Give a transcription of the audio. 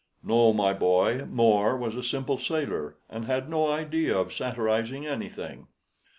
No, my boy, More was a simple sailor, and had no idea of satirizing anything."